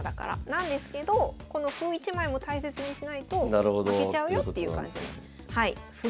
なんですけどこの歩一枚も大切にしないと負けちゃうよっていう感じの。ということなんですね。